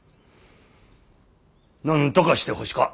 なんとかしてほしか。